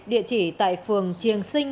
địa chỉ tại phường triềng sinh